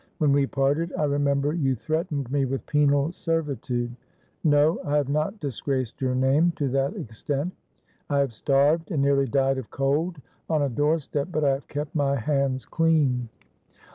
When we parted, I remember you threatened me with penal servitude. No, I have not disgraced your name to that extent. I have starved, and nearly died of cold on a doorstep, but I have kept my hands clean."